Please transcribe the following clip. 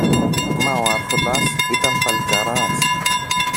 Μα ο Άρχοντας ήταν παλικαράς.